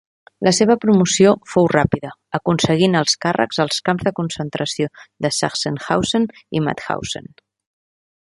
La seva promoció fou ràpida, aconseguint alts càrrecs als camps de concentració de Sachsenhausen i Mauthausen.